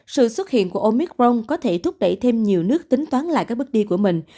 sự xuất hiện của omicron có thể thúc đẩy thêm nhiều nước tính toán lại các bước đi của mình